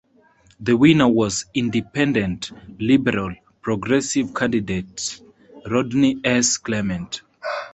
The winner was Independent Liberal-Progressive candidates Rodney S. Clement.